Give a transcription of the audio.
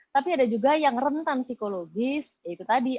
tapi ada juga yang rentan psikologis itu tadi